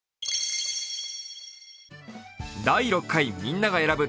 第６回みんなが選ぶ